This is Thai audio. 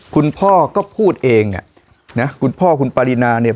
คุณพ่อก็พูดเองอ่ะนะคุณพ่อคุณปรินาเนี่ย